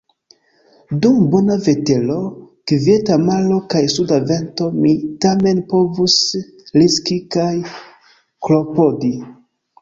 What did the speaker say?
Dum bona vetero, kvieta maro kaj suda vento mi tamen povus riski kaj klopodi.